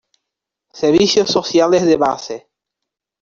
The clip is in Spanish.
Servicios sociales de base.